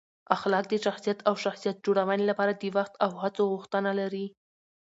اخلاق د شخصیت او شخصیت جوړونې لپاره د وخت او هڅو غوښتنه لري.